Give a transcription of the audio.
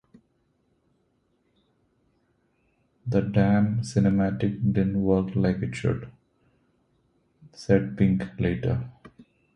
"The damn Cinemagic didn't work like it should," said Pink later.